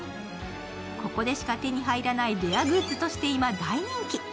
ここでしか手に入らないレアグッズとして今、大人気。